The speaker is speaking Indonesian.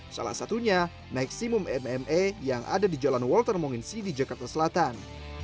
salah satunya maximum mma yang ada di jalan walter monginsi di jakarta selatan